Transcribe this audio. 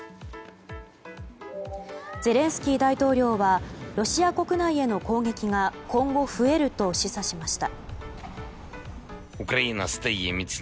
ゼレンスキー大統領はロシア国内への攻撃が今後、増えると示唆しました。